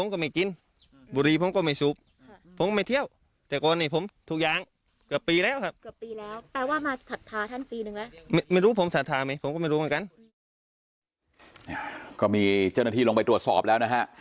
ก็มีเจ้าหน้าที่ลงไปตรวจสอบแล้วนะฮะ